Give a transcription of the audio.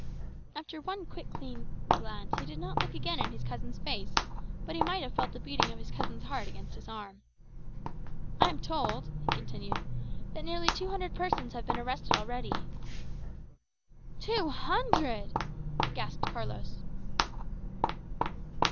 After one quick, keen glance, he did not look again in his cousin's face; but he might have felt the beating of his cousin's heart against his arm. "I am told," he continued, "that nearly two hundred persons have been arrested already." "Two hundred!" gasped Carlos.